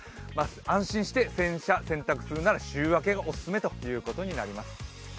安心して洗車、洗濯するなら週明けがオススメということになりそうです。